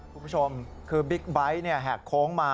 คุณผู้ชมคือบิ๊กไบท์แหกโค้งมา